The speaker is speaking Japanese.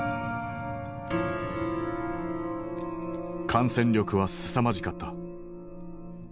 感染力はすさまじかった。